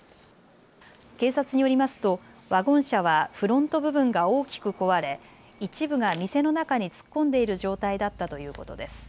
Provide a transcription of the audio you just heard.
警察によりますとワゴン車はフロント部分が大きく壊れ一部が店の中に突っ込んでいる状態だったということです。